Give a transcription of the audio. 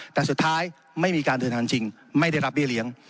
แต่สุดท้ายไม่มีการเดินทางจริงไม่ได้รับเบี้เลี้ยง